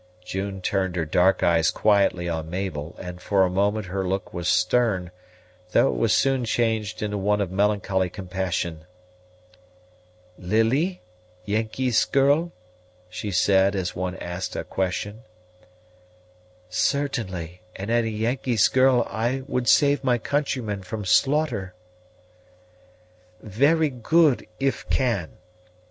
June turned her dark eyes quietly on Mabel; and for a moment her look was stern, though it was soon changed into one of melancholy compassion. "Lily, Yengeese girl?" she said, as one asks a question. "Certainly, and as a Yengeese girl I would save my countrymen from slaughter." "Very good, if can.